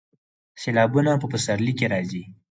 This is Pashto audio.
سیلابونه په پسرلي کې راځي